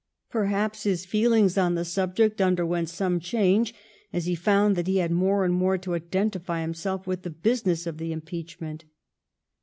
Perhaps his feelings on the subject underwent some change as he found that he had more and more to identify himself with the business of the impeachment.